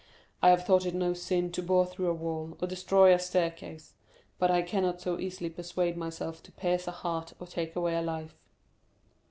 I have thought it no sin to bore through a wall, or destroy a staircase; but I cannot so easily persuade myself to pierce a heart or take away a life."